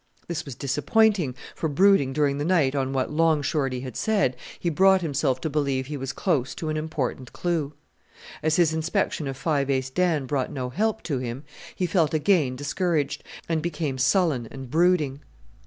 This was disappointing, for brooding during the night on what Long Shorty had said, he brought himself to believe he was close to an important clue. As his inspection of Five Ace Dan brought no help to him he felt again discouraged, and became sullen and brooding.